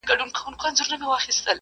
موږ د پاکو اوبو په څښلو بوخت یو.